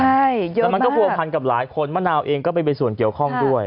แต่มันก็ควบคันกับหลายคนมะนาวเองก็เป็นส่วนเกี่ยวข้องด้วย